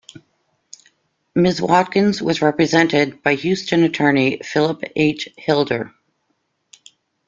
Ms. Watkins was represented by Houston attorney Philip H. Hilder.